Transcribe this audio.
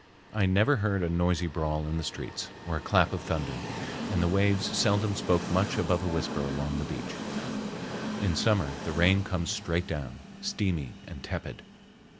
I never heard a noisy brawl in the streets, or a clap of thunder, and the waves seldom spoke much above a whisper along the beach. In summer the rain comes straight down, steamy and tepid.